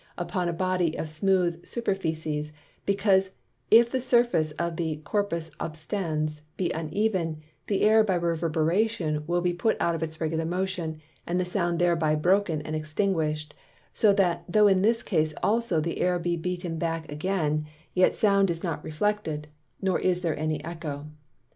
upon a Body of a smooth Superficies; because if the Surface of the Corpus Obstans be uneven, the Air by reverberation will be put out of its regular Motion, and the Sound thereby broken and extinguish'd: So that tho' in this case also the Air be beaten back again, yet Sound is not reflected, nor is there any Eccho.